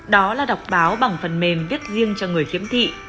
đó là đọc báo bằng phần mềm viết riêng cho người khiếm thị